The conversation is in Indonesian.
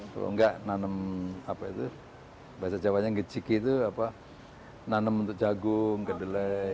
kalau enggak nanem apa itu bahasa jawanya ngecik itu nanem untuk jagung gedelek